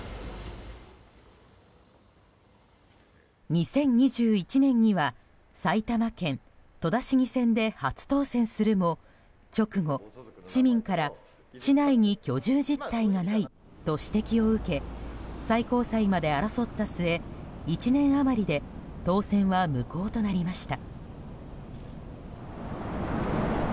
２０２１年には埼玉県戸田市議選で初当選するも直後、市民から市内に居住実態がないと指摘を受け、最高裁まで争った末１年余りで当選は無効となりました。